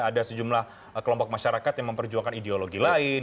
ada sejumlah kelompok masyarakat yang memperjuangkan ideologi lain